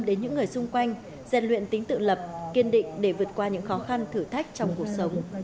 tập trung vào các trường hợp tập trung vào các trường hợp